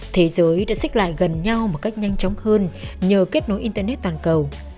thế giới đã xích lại gần nhau một cách nhanh chóng hơn nhờ kết nối internet toàn cầu